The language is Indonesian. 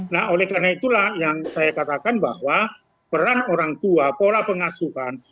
nah oleh karena itulah yang saya katakan bahwa peran orang tua pola pengasuhan